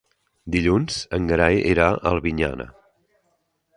Dilluns en Gerai irà a Albinyana.